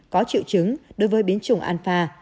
có triệu chứng đối với biến chủng alpha